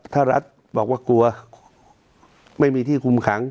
ถ้ารัฐบอกว่ากลัวไม่มีที่คุมขัง